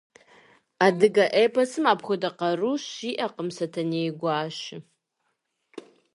Адыгэ эпосым апхуэдэ къару щиӏэкъым Сэтэней гуащэ.